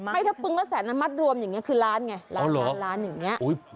ไม่ถ้าปึงละแสนมันมัดรวมอย่างนี้คือล้านไงล้านล้านอย่างนี้